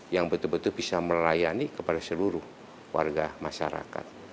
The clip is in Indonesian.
yang betul betul bisa melayani kepada seluruh warga masyarakat